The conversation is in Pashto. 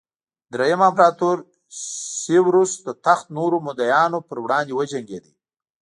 درېیم امپراتور سېوروس د تخت نورو مدعیانو پر وړاندې وجنګېد